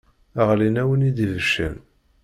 Ɣlin-awen-id ibeccan.